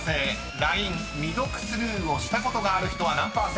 ［ＬＩＮＥ未読スルーをしたことがある人は何％か］